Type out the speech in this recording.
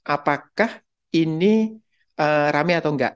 apakah ini rame atau enggak